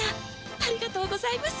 ありがとうございます。